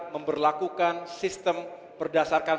memperlakukan sistem berdasarkan